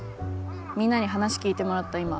みんなに話聞いてもらった